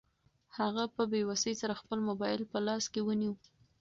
هغې په بې وسۍ سره خپل موبایل په لاس کې ونیو.